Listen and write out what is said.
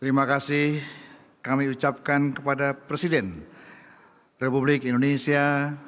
terima kasih kami ucapkan kepada presiden republik indonesia